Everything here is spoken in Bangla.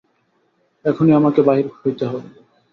এখনি আমাকে বাহির হইতে হইবে।